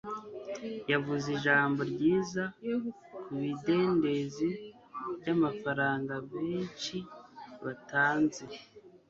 Yavuze Ijambo ryiza kubidendezi byamafaranga benshi batanze